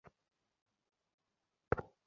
আজ তোমার বাবার সাথে দেখা করা যাবে?